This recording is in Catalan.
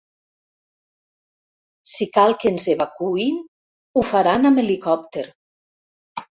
Si cal que ens evacuïn ho faran amb helicòpter.